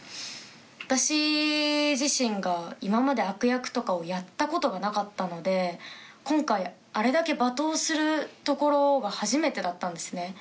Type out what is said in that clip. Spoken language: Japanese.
私自身が今まで悪役とかをやったことがなかったので今回あれだけ罵倒するところが初めてだったんですね。